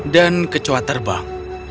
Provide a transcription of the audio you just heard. dan kecoa terbang